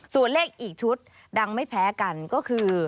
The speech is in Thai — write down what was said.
ส่วนเลขอีกชุดดังไม่แพ้กันก็คือ